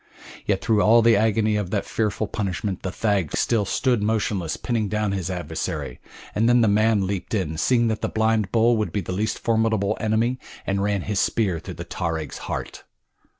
Yet through all the agony of that fearful punishment the thag still stood motionless pinning down his adversary, and then the man leaped in, seeing that the blind bull would be the least formidable enemy, and ran his spear through the tarag's heart.